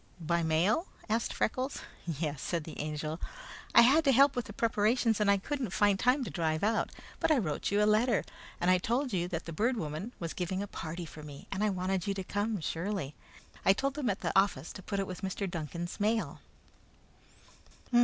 "By mail?" asked Freckles. "Yes," said the Angel. "I had to help with the preparations, and I couldn't find time to drive out; but I wrote you a letter, and told you that the Bird Woman was giving a party for me, and we wanted you to come, surely. I told them at the office to put it with Mr. Duncan's mail."